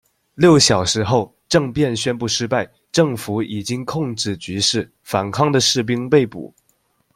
六小时后，政变宣布失败，政府已经控制局势，反抗的士兵被捕。